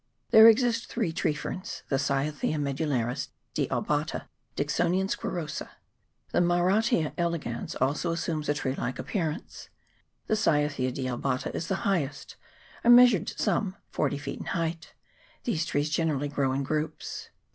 There exist three tree ferns, the Cyathea medullaris, dealbata, Dicksonia squarrosa. The Mahrattia elegans also assumes a tree like appearance: The Cyathea dealbata is the highest ; I measured some 40 feet in length. These trees generally grow in groups.